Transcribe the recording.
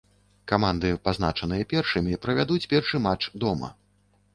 Каманды, пазначаныя першымі, правядуць першы матч дома.